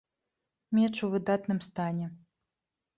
Меч у выдатным стане.